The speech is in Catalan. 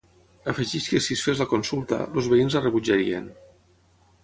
Afegeix que si es fes la consulta, els veïns la rebutjarien.